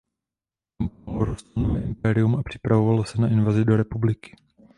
Tam pomalu rostlo nové Impérium a připravovalo se na invazi do Republiky.